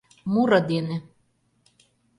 Муро дене.